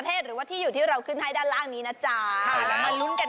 อันนี้เราจะแจกมอเตอร์ไทยกันก่อน